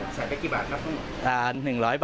ใส่ได้กี่บาทแล้วครับ